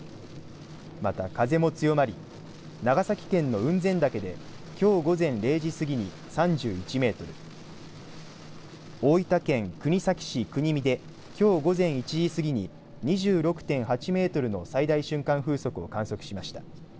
また、風も強まり長崎県の雲仙岳できょう午前０時過ぎに３１メートル大分県国東市国見できょう午前１時過ぎに２６．８メートルの最大瞬間風速を観測しました。